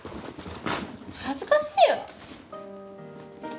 恥ずかしいわ。